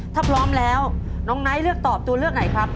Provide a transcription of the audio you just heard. ถ้าพร้อมแล้วน้องไนท์เลือกตอบตัวเลือกไหนครับ